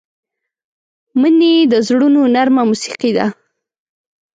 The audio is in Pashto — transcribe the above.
مني د زړونو نرمه موسيقي ده